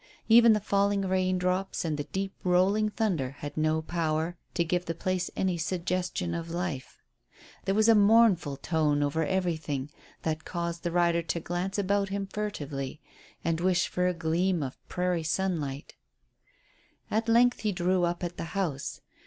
Even the falling raindrops and the deep rolling thunder had no power to give the place any suggestion of life. There was a mournful tone over everything that caused the rider to glance about him furtively, and wish for a gleam of the prairie sunlight. At length he drew up at the house.